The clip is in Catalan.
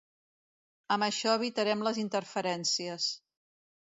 Amb això evitarem les interferències.